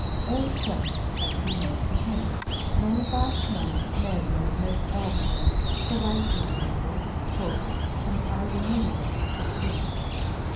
All requests had to be made to him, and on the first morning Mary made a most urgent one for writing materials, books, and either needlework or spinning.